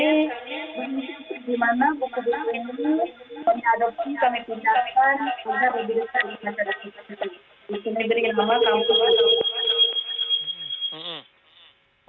di sini berikan nama kampung baca tansal